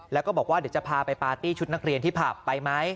แล้วก็บอกว่าเดี๋ยวจะพาไปปาร์ตี้ชุดนักเรียนที่ผับไปไหม